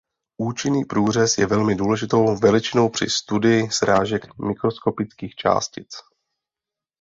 Účinný průřez je velmi důležitou veličinou při studiu srážek mikroskopických částic.